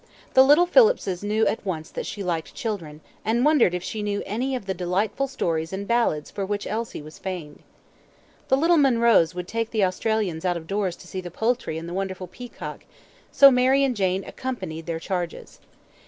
The little Phillipses knew at once that she liked children, and wondered if she knew any of the delightful stories and ballads for which Elsie was famed. The little Munroes would take the Australians out of doors to see the poultry and the wonderful peacock, so Mary and Jane accompanied their charges.